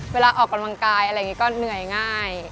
เวลาออกกำลังกายอะไรอย่างนี้ก็เหนื่อยง่าย